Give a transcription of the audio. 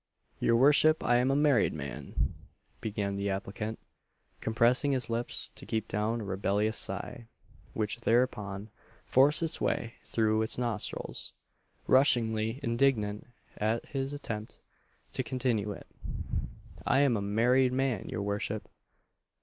"Your worship, I am a married man," began the applicant compressing his lips to keep down a rebellious sigh, which thereupon forced its way through his nostrils rushing ly indignant at his attempt to confine it "I am a married man, your worship!"